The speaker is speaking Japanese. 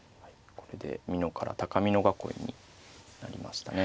これで美濃から高美濃囲いになりましたね。